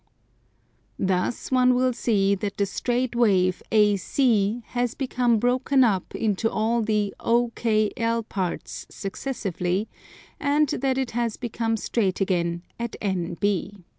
Thus one will see that the straight wave AC has become broken up into all the OKL parts successively, and that it has become straight again at NB.